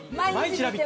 「ラヴィット！」！